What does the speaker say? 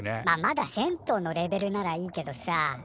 まあまだ銭湯のレベルならいいけどさ